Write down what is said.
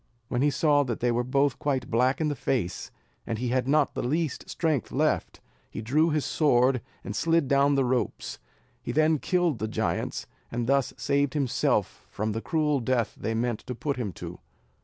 When he saw that they were both quite black in the face, and had not the least strength left, he drew his sword, and slid down the ropes; he then killed the giants, and thus saved himself from the cruel death they meant to put him to.